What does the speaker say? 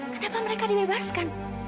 kenapa mereka dibebaskan